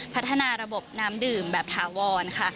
พัฒนาระบบน้ำดื่มแบบถาวรค่ะ